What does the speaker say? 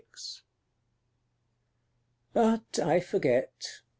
CLXXV. But I forget.